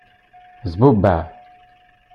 Zbubeɛ.